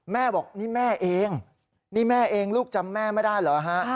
แม่บอกนี่แม่เองนี่แม่เองลูกจำแม่ไม่ได้เหรอฮะ